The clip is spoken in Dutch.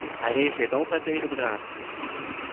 Hij reageert altijd tegendraads.